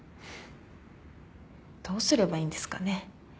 どうすればいいんですかね？